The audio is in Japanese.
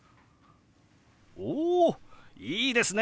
おいいですね！